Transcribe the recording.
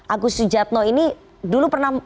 agus sujadno ini dulu pernah